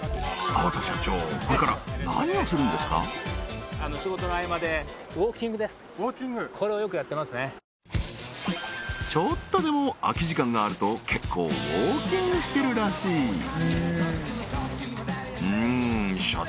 粟田社長ちょっとでも空き時間があると結構ウォーキングしてるらしいうん社長